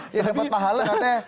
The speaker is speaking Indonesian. iya dapat pahala katanya